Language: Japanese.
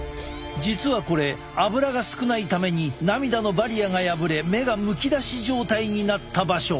実はこれアブラが少ないために涙のバリアが破れ目がむき出し状態になった場所！